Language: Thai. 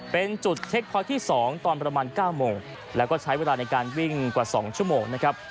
เป็นจุดเช็คพอยต์ที่๒ตอนประมาณ๙โมงแล้วก็ใช้เวลาในการวิ่งกว่า๒ชั่วโมงนะครับ